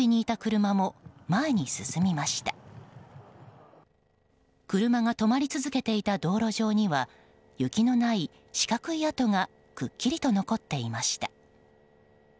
車が止まり続けていた道路上には雪のない四角い跡がくっきりと残っていました。